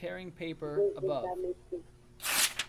Zozu game ke.